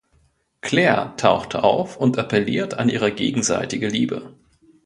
Clair taucht auf und appelliert an ihre gegenseitige Liebe.